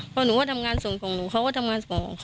เพราะหนูว่าทำงานส่วนของหนูเขาก็ทำงานส่วนของเขาค่ะ